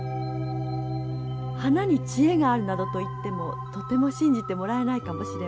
花に知恵があるなどといってもとても信じてもらえないかもしれません。